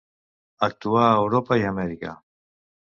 Actuà a Europa i a Amèrica.